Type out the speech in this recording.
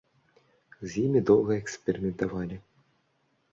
З імі доўга эксперыментавалі.